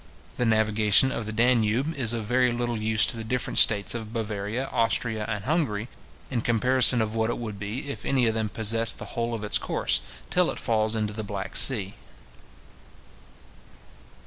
The navigation of the Danube is of very little use to the different states of Bavaria, Austria, and Hungary, in comparison of what it would be, if any of them possessed the whole of its course, till it falls into the Black sea.